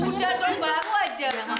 sudah dong baru aja